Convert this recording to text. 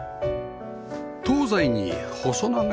東西に細長い建物